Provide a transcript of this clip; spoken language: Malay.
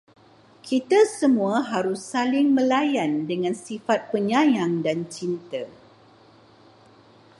Kita semua harus saling melayan dengan sifat penyayang dan cinta